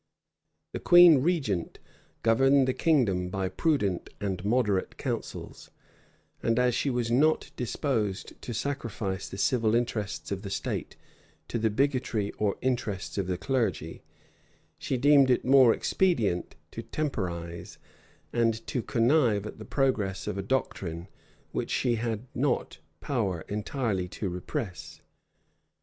The queen regent governed the kingdom by prudent and moderate counsels; and as she was not disposed to sacrifice the civil interests of the state to the bigotry or interests of the clergy, she deemed it more expedient to temporize, and to connive at the progress of a doctrine which she had not power entirely to repress.